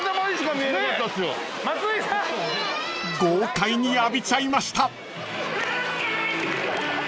［豪快に浴びちゃいました］